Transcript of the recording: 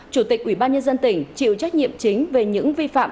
chủ tịch ủy ban nhân dân tỉnh chịu trách nhiệm chính về những vi phạm